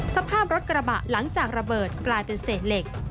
สภาพรถกระบะหลังจากระเบิดกลายเป็นเศษเหล็ก